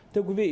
thưa quý vị